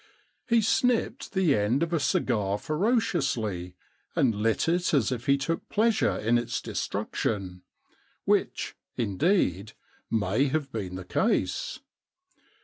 * He snipped the end of a 187 The Problem Club cigar ferociously, and lit it as if he took pleasure in its destruction — which, indeed, may have been the case.